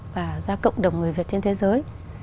và ra cộng đồng người việt trên thế giới